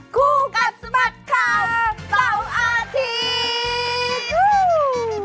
คู่กัดสะบัดข่าวเสาร์อาทิตย์